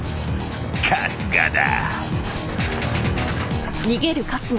［春日だ］